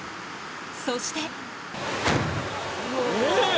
そして。